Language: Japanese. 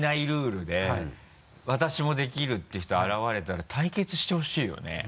ルールで私もできるって人現れたら対決してほしいよね。